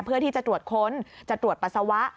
เพื่อที่จะตรวจค้นจะตรวจปัสสาวะ